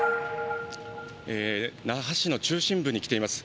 那覇市の中心部に来ています。